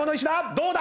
どうだ